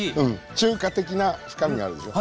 中華的な深みがあるでしょう？